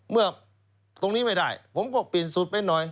เมื่อตรงนี้ไม่ได้ผมก็เปลี่ยนสูตรไปหน่อย